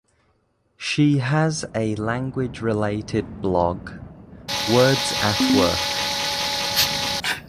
She has a language-related blog, Words at Work.